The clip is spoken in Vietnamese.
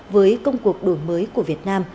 với công cuộc đổi mới của việt nam